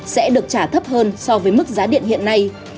sẽ được trả thấp hơn so với mức giá điện hiện nay